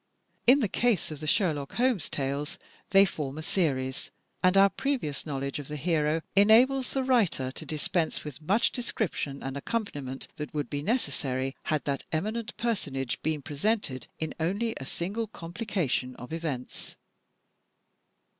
In the case of the Sherlock Holmes tales, they form a series, and our previous knowledge of the hero enables the writer to dispense with much description and accompaniment that would be neces sary had that eminent personage been presented in only a single complication of events.